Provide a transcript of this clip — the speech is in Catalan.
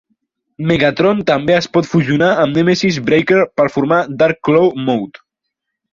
Megatron també es pot fusionar amb Nemesis Breaker per formar Dark Claw Mode.